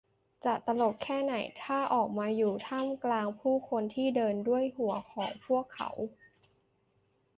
จะตลกแค่ไหน ถ้าออกมาอยู่ท่ามกลางผู้คนที่เดินด้วยหัวของพวกเขา